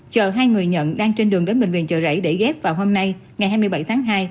chờ hai người nhận đang trên đường đến bệnh viện chợ rẫy để ghép vào hôm nay ngày hai mươi bảy tháng hai